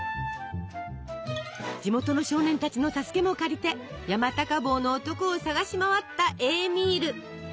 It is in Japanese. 地元の少年たちの助けも借りて山高帽の男を捜し回ったエーミール。